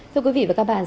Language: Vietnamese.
thưa quý vị và các bạn